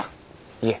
いえ。